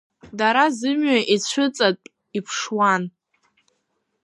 Дара зымҩа ицәыҵатә иԥшуан.